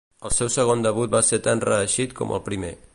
El seu segon debut va ser tan reeixit com el primer.